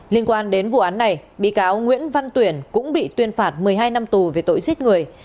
liên quan đến vụ án này bị cáo nguyễn văn tuyển cũng bị tuyên phạt một mươi hai năm tù về tội giết người